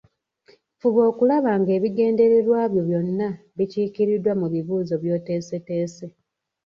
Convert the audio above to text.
Fuba okulaba ng’ebigendererwa byo byonna bikiikiriddwa mu bibuuzo by’oteeseteese